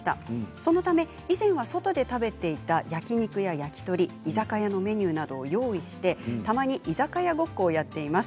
そのため以前は外で食べていた焼き肉や焼き鳥居酒屋のメニューを用意してたまに居酒屋ごっこをやっています。